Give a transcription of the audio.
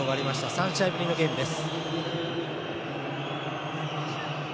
３試合ぶりのゲームです。